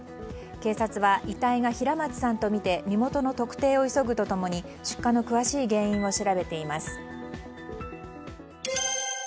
警察は、遺体が平松さんとみて身元の特定を急ぐと共に出火の詳しい原因を調べています。